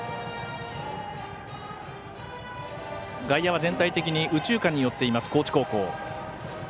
外野は全体的に右中間に寄っています、高知高校。